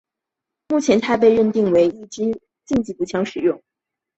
目前它已被定位为一枝竞赛步枪使用。